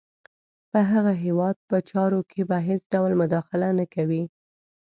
په هغه هیواد په چارو کې به هېڅ ډول مداخله نه کوي.